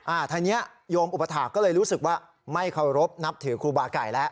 ทางนี้โยมอุปถาคก็เลยรู้สึกว่าไม่เคารพนับถือครูบาไก่แล้ว